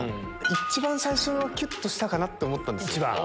一番最初はキュっとしたかなって思った。